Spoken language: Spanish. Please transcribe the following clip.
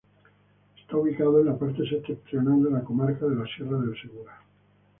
Está ubicada en la parte septentrional de la comarca de la Sierra del Segura.